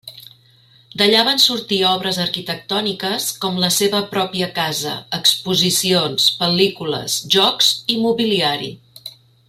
D'allà van sortir obres arquitectòniques com la seva pròpia casa, exposicions, pel·lícules, jocs i mobiliari.